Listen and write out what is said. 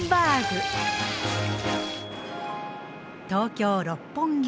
東京六本木。